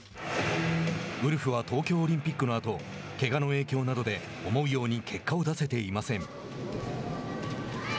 ウルフは東京オリンピックのあとけがの影響などで思うように結果を出せていません。